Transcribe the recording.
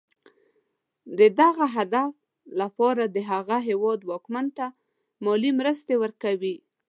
د دغه هدف لپاره د هغه هېواد واکمن ته مالي مرستې ورکوي.